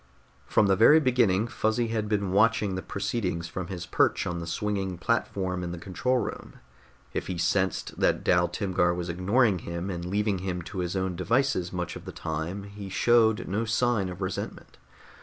From the very beginning Fuzzy had been watching the proceedings from his perch on the swinging platform in the control room. If he sensed that Dal Timgar was ignoring him and leaving him to his own devices much of the time, he showed no sign of resentment.